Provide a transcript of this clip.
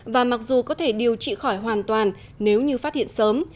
và mặc dù có thể điều trị khỏi hoàn toàn nếu như phát hiện sớm